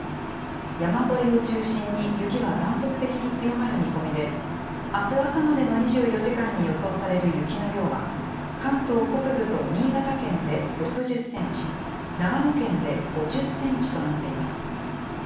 山沿いを中心に雪は断続的に強まる見込みで、あす朝までの２４時間に予想される雪の量は、関東北部と新潟県で６０センチ、長野県で５０センチとなっています。